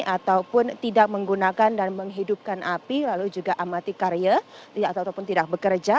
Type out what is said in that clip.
ataupun tidak menggunakan dan menghidupkan api lalu juga amati karya ataupun tidak bekerja